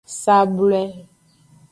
Sablwe.